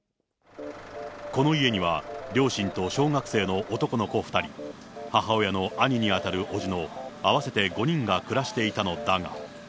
この家には両親と小学生の男の子２人、母親の兄に当たる伯父の合わせて５人が暮らしていたのだが。